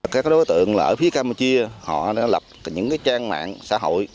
các đối tượng là ở phía campuchia họ đã lập những trang mạng xã hội